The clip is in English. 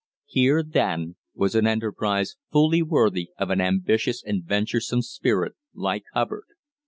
Here, then, was an enterprise fully worthy of an ambitious and venturesome spirit like Hubbard.